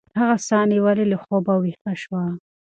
هغه ساه نیولې له خوبه ویښه شوه.